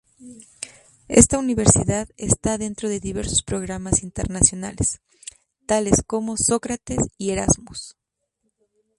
Esta universidad está dentro de diversos programas internacionales, tales como Sócrates y Erasmus.